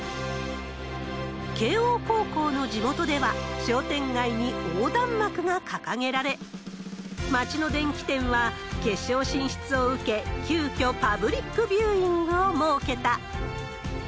慶応高校の地元では、商店街に横断幕が掲げられ、町の電器店は決勝進出を受け、急きょパブリックビューイングを設けた。